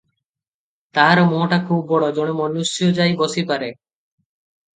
ତାହାର ମୁହଁଟା ଖୁବ୍ ବଡ଼, ଜଣେ ମନୁଷ୍ୟ ଯାଇ ବସିପାରେ ।